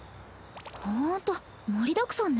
ほんと盛りだくさんね。